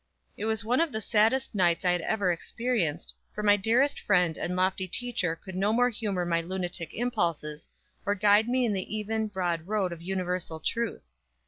It was one of the saddest nights I had ever experienced, for my dearest friend and lofty teacher would no more humor my lunatic impulses, or guide me in the even, broad road of universal truth.